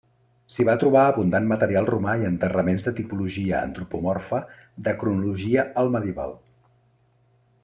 S'hi va trobar abundant material romà i enterraments de tipologia antropomorfa de cronologia altmedieval.